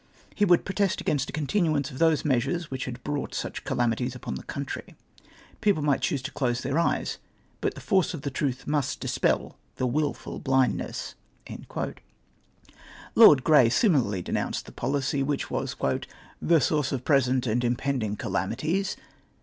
He would protest against a continuance of those measures which had brought such calamities upon tlie country. People might choose to close their eyes, but tlie force of truth must chspel the wihid bhndness." Lord Grey similarly denounced the pohcy which was "the source of present and impendmg calamities.